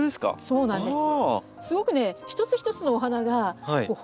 そうなんですよ。